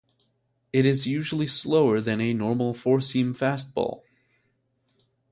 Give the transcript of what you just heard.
It is usually slower than a normal four-seam fastball.